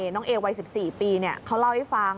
น้องเอวัย๑๔ปีเขาเล่าให้ฟัง